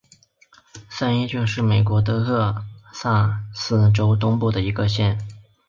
三一郡是美国德克萨斯州东部的一个县。